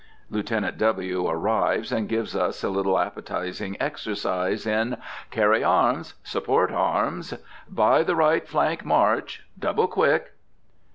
Lieutenant W. arrives, and gives us a little appetizing exercise in "Carry arms!" "Support arms!" "By the right flank, march!" "Double quick!"